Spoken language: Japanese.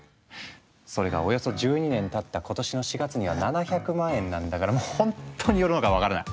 それがおよそ１２年たった今年の４月には７００万円なんだからもうほんとに世の中分からない。